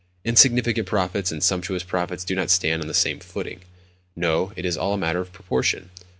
Insignificant profits and sumptuous profits do not stand on the same footing. No, it is all a matter of proportion.